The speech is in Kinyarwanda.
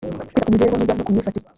kwita ku mibereho myiza no ku myifatire